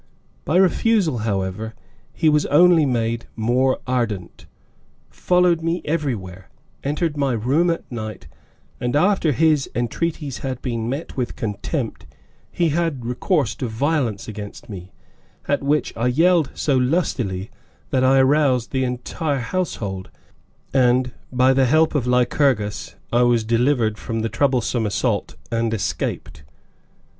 By refusal, however, he was only made more ardent, followed me everywhere, entered my room at night, and, after his entreaties had met with contempt, he had recourse to violence against me, at which I yelled so lustily that I aroused the entire household, and, by the help of Lycurgus, I was delivered from the troublesome assault and escaped.